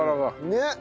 ねっ！